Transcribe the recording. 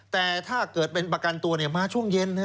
แต่ถ้าเกิดเป็นประกันตัวมาช่วงเย็น